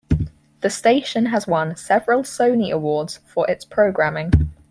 The station has won several Sony Awards for its programming.